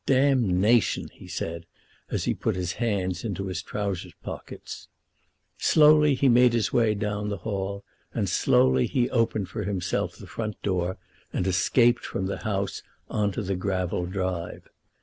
"Damnation!" he said, as he put his hands into his trousers pockets. Slowly he made his way down into the hall, and slowly he opened for himself the front door, and escaped from the house on to the gravel drive.